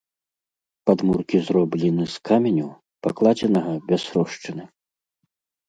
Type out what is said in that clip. Падмуркі зроблены з каменю, пакладзенага без рошчыны.